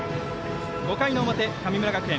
５回の表、神村学園。